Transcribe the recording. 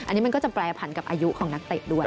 อันนี้มันก็จะแปรผันกับอายุของนักเตะด้วย